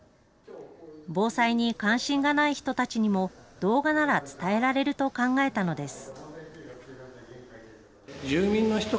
防災に関心がない人たちにも、動画なら伝えられると考えたのです。